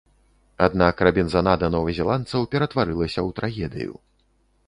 Аднак рабінзанада новазеландцаў ператварылася ў трагедыю.